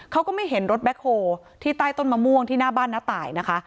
เขาก็ไม่เห็นรถแบ็คโฮที่ใต้ต้นมะม่วงที่หน้าบ้านน้าตายนะคะ